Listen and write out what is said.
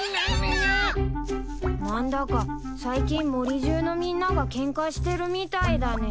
何だか最近森じゅうのみんながケンカしてるみたいだね。